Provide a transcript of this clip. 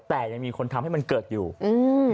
แต่ยังมีคนทำให้มันเกิดอยู่อืม